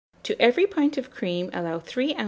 To every pint of cream allow 3 oz.